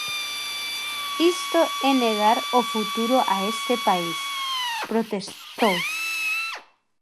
"Isto é negar o futuro a este país", protestou.